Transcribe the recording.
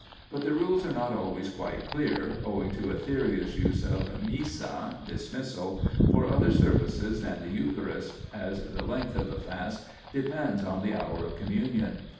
but the rules are not always quite clear, owing to Etheria's use of Missa (dismissal) for other services than the Eucharist, as the length of the fast depends on the hour of Communion.